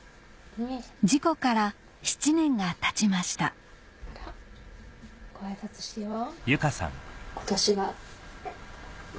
事故から７年がたちましたごあいさつしよう。